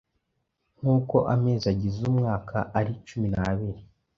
nkuko amezi agize umwaka ari cumi nabiri